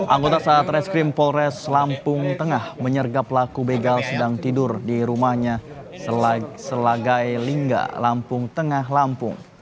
anggota satreskrim polres lampung tengah menyergap pelaku begal sedang tidur di rumahnya selagai lingga lampung tengah lampung